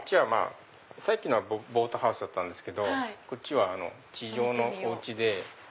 さっきのはボートハウスだったんですけどこっちは地上のお家で。